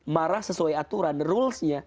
marah sesuai aturan rules nya